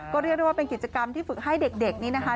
ก็เรียกได้ว่าเป็นกิจกรรมที่ฝึกให้เด็กนี้นะคะ